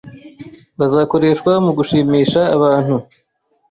Bazakoreshwa mugushimisha abantu.